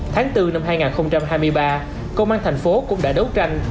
tháng bốn năm hai nghìn hai mươi ba công an tp hcm cũng đã đấu tranh